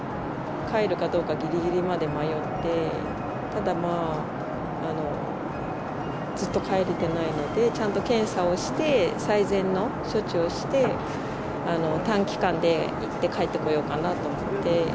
帰るかどうかぎりぎりまで迷って、ただまあ、ずっと帰れてないので、ちゃんと検査をして、最善の処置をして、短期間で行って帰ってこようかなと思って。